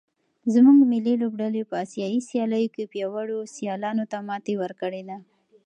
زموږ ملي لوبډلې په اسیايي سیالیو کې پیاوړو سیالانو ته ماتې ورکړې ده.